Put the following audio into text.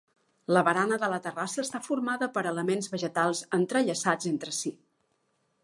La barana de la terrassa està formada per elements vegetals entrellaçats entre si.